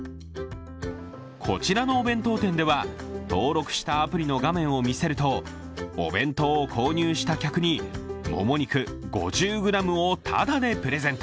こちらのお弁当店では、登録したアプリの画面を見せるとお弁当を購入した客にもも肉５０ｇをただでプレゼント。